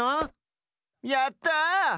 やった！